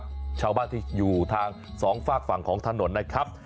ชาวบ้านที่อยู่ทางสองฝากฝั่งของถนนนะครับ